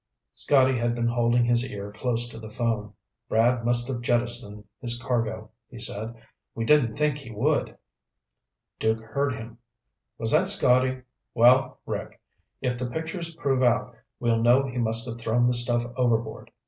Scotty had been holding his ear close to the phone. "Brad must have jettisoned his cargo," he said. "We didn't think he would." Duke heard him. "Was that Scotty? Well, Rick, if the pictures prove out, we'll know he must have thrown the stuff overboard.